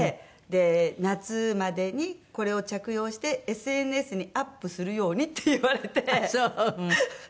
「夏までにこれを着用してＳＮＳにアップするように」って言われて。